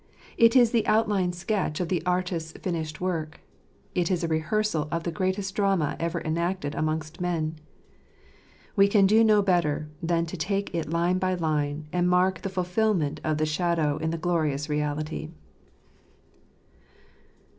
It is the outline sketch of the Artist's finished work. It is a rehearsal of the greatest drama ever enacted amongst men. We can do no better than take it line by line, and mark the fulfilment of the shadow in the glorious reality.